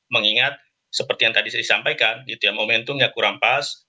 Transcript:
mengingat seperti yang tadi saya sampaikan gitu ya momentumnya kurang pas